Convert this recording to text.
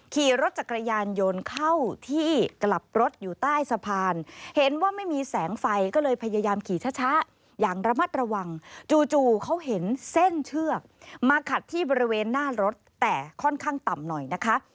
ขี่รถจักรยานยนต์เข้าที่กลับรถอยู่ใต้สะพานเห็นว่าไม่มีแสงไฟก็เลยพยายามขี่ช้าอย่างระมัดระวังจู่เขาเห็นเส้นเชือกมาขัดที่บริเวณหน้ารถแต่ค่อนข้างต่ำหน่อยนะคะ